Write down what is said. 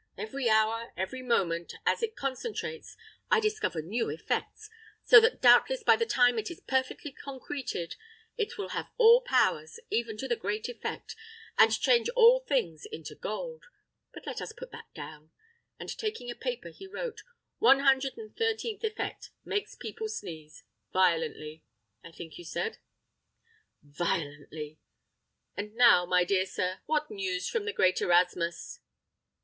Every hour, every moment, as it concentrates, I discover new effects; so that doubtless by the time it is perfectly concreted, it will have all powers, even to the great effect, and change all things into gold. But let us put that down;" and taking a paper he wrote, "One hundred and thirteenth effect, makes people sneeze; violently, I think you said? Violently. And now, my dear sir, what news from the great Erasmus?"